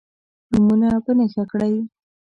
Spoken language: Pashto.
نومونه په نښه کړئ.